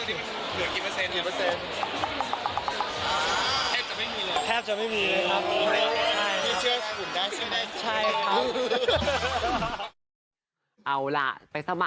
ทำงานทั้งวันเท่าน้ำคืน